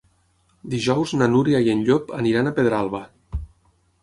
Dijous na Núria i en Llop aniran a Pedralba.